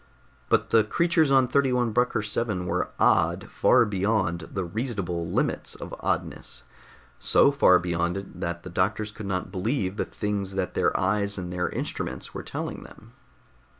But the creatures on 31 Brucker VII were "odd" far beyond the reasonable limits of oddness so far beyond it that the doctors could not believe the things that their eyes and their instruments were telling them.